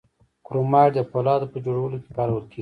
کرومایټ د فولادو په جوړولو کې کارول کیږي.